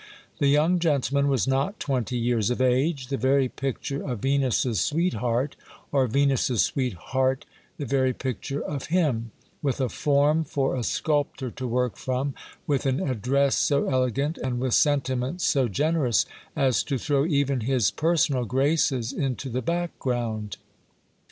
The young gentleman was not twenty years of age ; the very picture of Venus's sweetheart, or Venus's sweetheart the very picture of him ; with a form for a sculptor to work from ; with an address so elegant, and with sentiments so generous, as to throw even his per sonal graces into the background.